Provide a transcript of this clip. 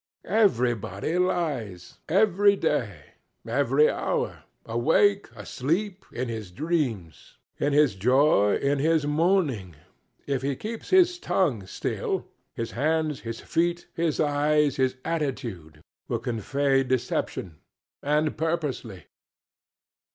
Everybody lies every day; every hour; awake; asleep; in his dreams; in his joy; in his mourning; if he keeps his tongue still, his hands, his feet, his eyes, his attitude, will convey deception and purposely.